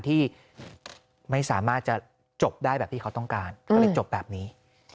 ที่ไม่สามารถจะจบได้แบบที่เขาต้องการก็เลยจบแบบนี้